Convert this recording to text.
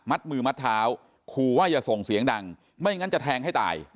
มือมัดเท้าขู่ว่าอย่าส่งเสียงดังไม่งั้นจะแทงให้ตาย